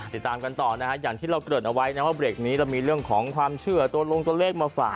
ติดตามกันต่อนะฮะอย่างที่เราเกิดเอาไว้นะว่าเบรกนี้เรามีเรื่องของความเชื่อตัวลงตัวเลขมาฝาก